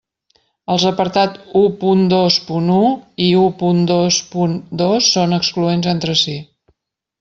Els apartats u punt dos punt u i u punt dos punt dos són excloents entre si.